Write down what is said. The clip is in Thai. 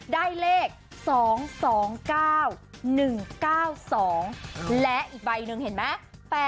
ได้เลข๒๒๙๑๙๒และอีกใบหนึ่งเห็นไหม